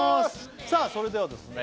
さあそれではですね